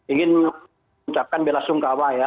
ingin mengucapkan bela sungkawa ya